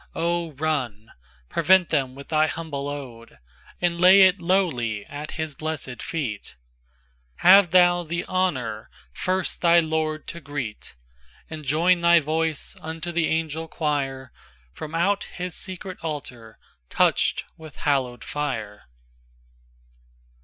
Oh! run; prevent them with thy humble ode, And lay it lowly at his blessèd feet; Have thou the honour first thy Lord to greet, And join thy voice unto the Angel Quire, From out his secret altar touched with hallowed fire.